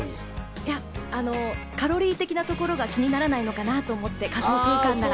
いや、あのカロリー的なところが気にならないのかなと思って、仮想空間なら。